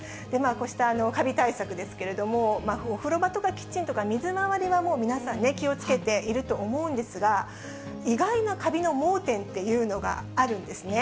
こうしたカビ対策ですけれども、お風呂場とかキッチンとか、水回りはもう皆さんね、気をつけていると思うんですが、意外なカビの盲点っていうのがあるんですね。